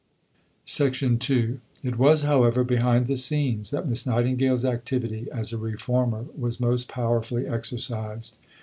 II It was, however, behind the scenes that Miss Nightingale's activity as a reformer was most powerfully exercised.